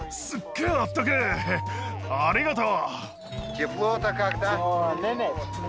ありがとう。